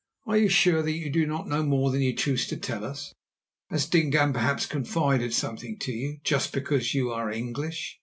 Are you sure that you do not know more than you choose to tell us? Has Dingaan perhaps confided something to you—just because you are English?"